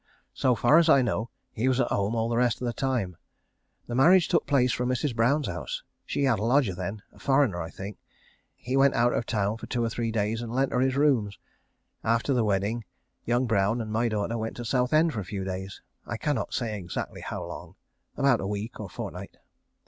So far as I know, he was at home all the rest of the time. The marriage took place from Mrs. Brown's house. She had a lodger then a foreigner, I think. He went out of town for two or three days, and lent her his rooms. After the wedding young Brown and my daughter went to Southend for a few days. I cannot say exactly how long. About a week or a fortnight.